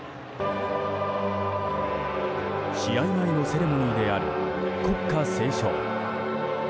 試合前のセレモニーである国歌斉唱。